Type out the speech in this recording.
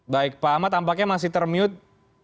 baik pak ahmad tampaknya masih termute